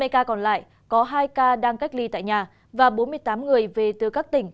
hai ca còn lại có hai ca đang cách ly tại nhà và bốn mươi tám người về từ các tỉnh